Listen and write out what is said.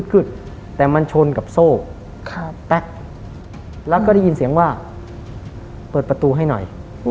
คือแต่มันชนกับโซ่แป๊กแล้วก็ได้ยินเสียงว่าเปิดประตูให้หน่อย